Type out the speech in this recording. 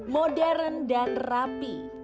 modern dan rapi